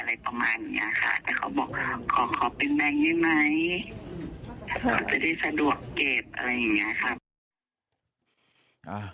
เขาบอกขอเป็นแบงค์ได้ไหมเขาจะได้สะดวกเกตอะไรอย่างนี้ค่ะ